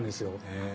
へえ。